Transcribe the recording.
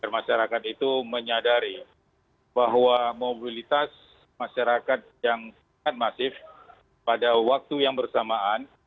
masyarakat itu menyadari bahwa mobilitas masyarakat yang sangat masif pada waktu yang bersamaan